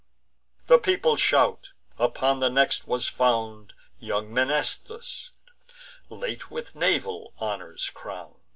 The people shout. Upon the next was found Young Mnestheus, late with naval honours crown'd.